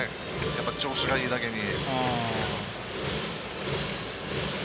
やっぱり調子がいいだけに。